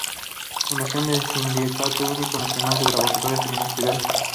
Fundador del Sindicato Único Nacional de Trabajadores Universitarios.